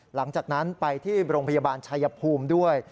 หลังจากนั้นไปที่โรงพยาบาลชายภูมิด้วย